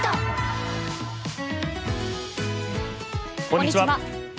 こんにちは。